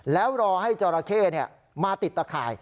แล้วรอให้จราเข้มาติดตะข่าย